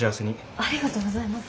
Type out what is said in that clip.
ありがとうございます。